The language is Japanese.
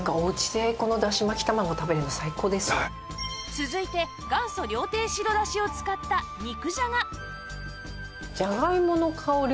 続いて元祖料亭白だしを使った肉じゃが